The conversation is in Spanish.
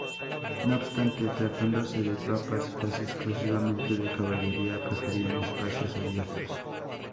No obstante, tratándose de tropas casi exclusivamente de caballería, preferían espacios abiertos.